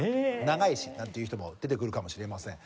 長いし。なんていう人も出てくるかもしれません。